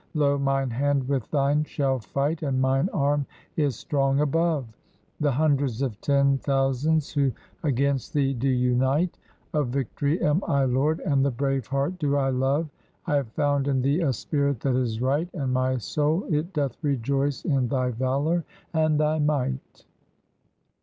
Lo! mine hand with thine shall fight, And mine arm is strong above The hundreds of ten thousands, who against thee do imite, Of victory am I lord, and the brave heart do I love, I have found in thee a spirit that is right. And my soul it doth rejoice in thy valor and thy might."